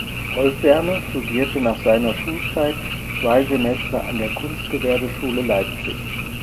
Rolf Werner studierte nach seiner Schulzeit zwei Semester an der Kunstgewerbeschule Leipzig.